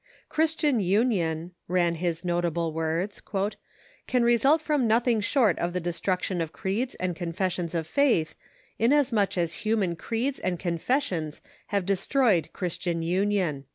" Christian union," ran his notable words, " can result from nothing short of the destruc tion of creeds and confessions of faith, inasmuch as human creeds and confessions have destroyed Christian union."